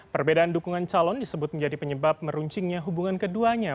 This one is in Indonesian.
perbedaan dukungan calon disebut menjadi penyebab meruncingnya hubungan keduanya